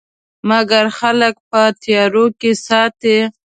مګر خلک په تیارو کې ساتي.